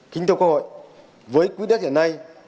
kính thưa quốc hội với quý đất hiện nay